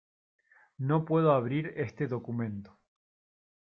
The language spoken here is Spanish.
No puedo abrir este documento.